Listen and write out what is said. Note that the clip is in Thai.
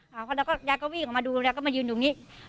แล้วก็ยังก็วิ่งออกมาดูแล้วก็มายืนอยู่นี้